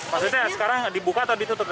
maksudnya sekarang dibuka atau ditutup